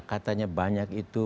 katanya banyak itu